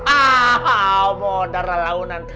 ah mau darah launan